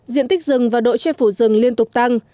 diện tích rừng và độ che phủ rừng liên tục tăng